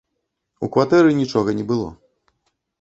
У кватэры нічога не было.